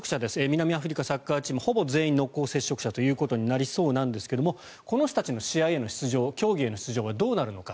南アフリカサッカーチームほぼ全員濃厚接触者ということになりそうなんですがこの人たちの試合への出場競技への出場はどうなるのか。